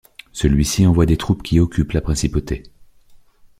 Celui-ci envoie des troupes qui occupent la principauté.